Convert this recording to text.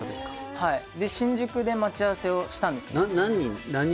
はいで新宿で待ち合わせをしたんですね何人？